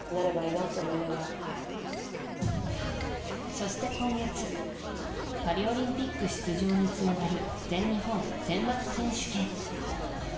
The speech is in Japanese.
そして、今月パリオリンピック出場につながる全日本選抜選手権。